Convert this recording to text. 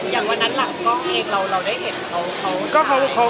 อย่างวันนั้นหลังกล้องเองเราได้เห็นเขา